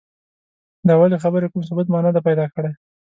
د اولې خبرې کوم ثبوت ما نه دی پیدا کړی.